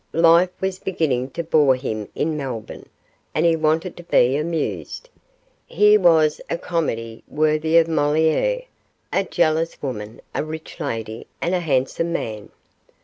Life was beginning to bore him in Melbourne, and he wanted to be amused. Here was a comedy worthy of Moliere a jealous woman, a rich lady, and a handsome man.